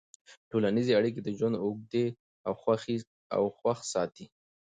ټولنیزې اړیکې ژوند اوږدوي او خوښ ساتي.